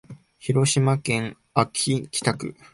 広島市安佐北区